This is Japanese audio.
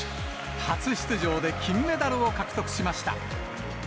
初出場で金メダルを獲得しました。